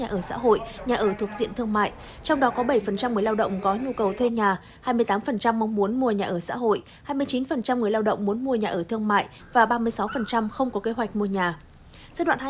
nhà ở xã hội nhà ở thuộc diện thương mại trong đó có bảy người lao động có nhu cầu thuê nhà hai mươi tám mong muốn mua nhà ở xã hội hai mươi chín người lao động muốn mua nhà ở thương mại và ba mươi sáu không có kế hoạch mua nhà